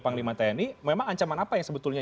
panglima tni memang ancaman apa yang sebetulnya